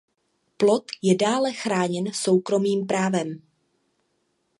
Plod je dále chráněn soukromým právem.